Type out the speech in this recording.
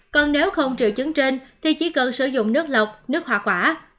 còn nếu không triệu chứng trên thì chỉ cần sử dụng nước lọc nước hoa quả